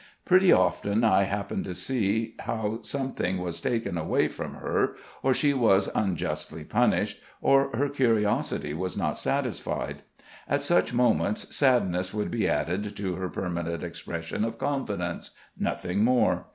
Pretty often I happened to see how something was taken away from her, or she was unjustly punished, or her curiosity was not satisfied. At such moments sadness would be added to her permanent expression of confidence nothing more.